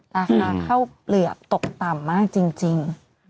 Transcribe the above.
ราคาข้าวเปลือกตกต่ำมากจริง